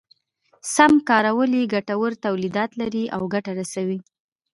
سم کارول يې ګټور توليدات لري او ګټه رسوي.